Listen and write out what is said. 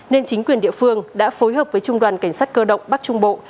nên chính quyền địa phương đã phối hợp với trung đoàn cảnh sát cơ động bắc trung bộ